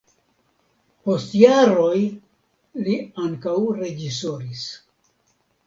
Post jaroj li ankaŭ reĝisoris.